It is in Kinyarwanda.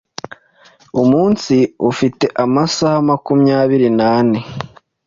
Umunsi ufite amasaha makumyabiri nane.